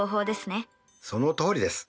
そのとおりです。